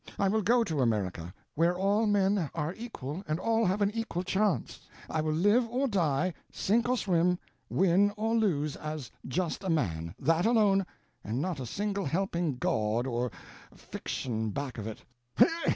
I will go to America, where all men are equal and all have an equal chance; I will live or die, sink or swim, win or lose as just a man—that alone, and not a single helping gaud or fiction back of it."